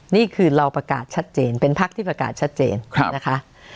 นี่คือเราประกาศชัดเจนเป็นพักที่ประกาศชัดเจนนะคะ